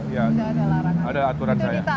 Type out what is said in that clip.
ya ada aturan saya